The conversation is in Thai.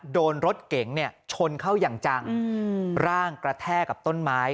โดนรถเก๋งเนี่ยชนเข้าอย่างจังร่างกระแทกกับต้นไม้